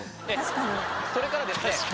それからですね